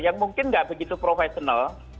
yang mungkin nggak begitu profesional